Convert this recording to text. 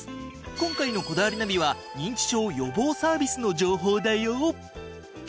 今回の『こだわりナビ』は認知症予防サービスの情報だよ。